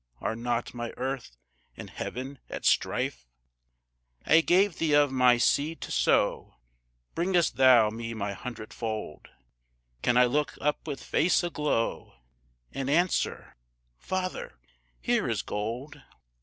Are not my earth and heaven at strife? I gave thee of my seed to sow, Bringest thou me my hundred fold?" Can I look up with face aglow, And answer, "Father, here is gold?"